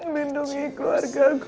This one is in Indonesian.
mendungi keluarga ku